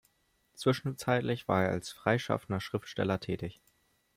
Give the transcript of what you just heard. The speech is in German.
Zwischenzeitlich war er als freischaffender Schriftsteller tätig.